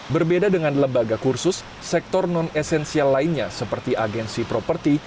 berbeda dengan lembaga kursus sektor non esensial lainnya seperti agensi properti